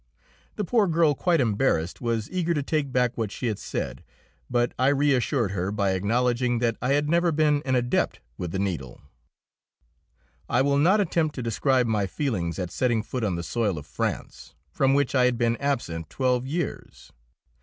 The poor girl, quite embarrassed, was eager to take back what she had said, but I reassured her by acknowledging that I had never been an adept with the needle. I will not attempt to describe my feelings at setting foot on the soil of France, from which I had been absent twelve years.